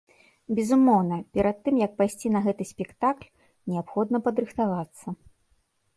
Безумоўна, перад тым, як пайсці на гэты спектакль, неабходна падрыхтавацца.